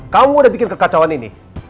kamu udah bikin kekacauan ini